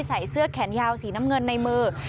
ใส่เสื้อแขนยาวสีน้ำเงินในมือ